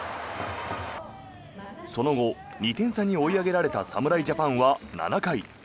その後、２点差に追い上げられた侍ジャパンは７回。